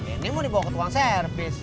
ini mau dibawa ke tukang servis